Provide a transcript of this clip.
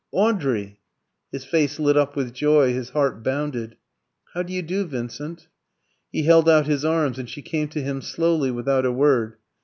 "Audrey!" His face lit up with joy, his heart bounded. "How do you do, Vincent?" He held out his arms, and she came to him slowly, without a word.